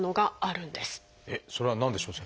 それは何でしょう？